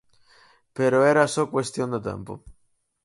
Pero era só cuestión de tempo.